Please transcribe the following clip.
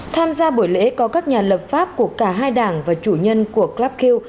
tham gia buổi lễ có các nhà lập pháp của cả hai đảng và chủ nhân của clapkq